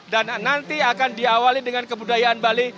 dan nanti akan diawali dengan kebudayaan bali